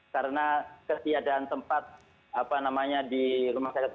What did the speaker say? karena kesiadaan tempat di rumah sakit rujukan yang terpaksa